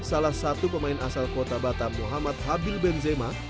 salah satu pemain asal kota batam muhammad habil benzema